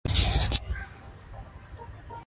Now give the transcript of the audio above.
لمر ختنه د ورځې نوی پیل اعلانوي او ژوند ته امید ورکوي.